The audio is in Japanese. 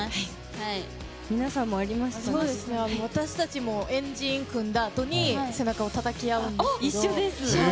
私たちも円陣を組んだあとに背中をたたき合うんですけど。